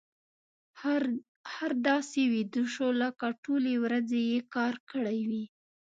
خر داسې ویده شو لکه ټولې ورځې يې کار کړی وي.